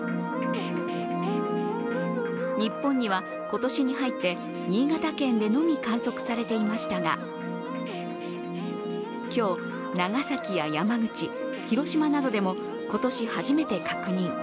日本には今年に入って新潟県でのみ観測されていましたが今日、長崎や山口、広島などでも今年初めて確認。